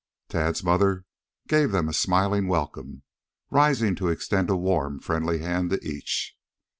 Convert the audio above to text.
Tad's mother gave them a smiling welcome, rising to extend a warm, friendly hand to each.